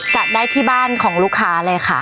จัดได้ที่บ้านของลูกค้าเลยค่ะ